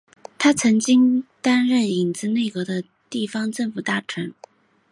他曾经担任影子内阁的地方政府大臣。